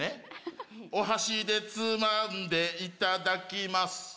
お箸でつまんでいただきます